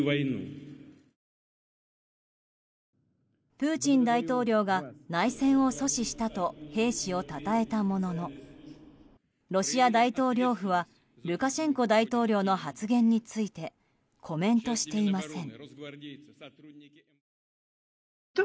プーチン大統領が内戦を阻止したと兵士をたたえたもののロシア大統領府はルカシェンコ大統領の発言についてコメントしていません。